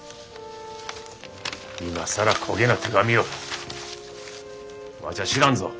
今更こげな手紙をわしは知らんぞ。